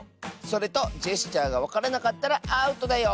それとジェスチャーがわからなかったらアウトだよ！